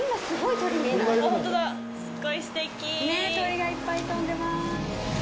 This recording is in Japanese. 鳥がいっぱい飛んでます。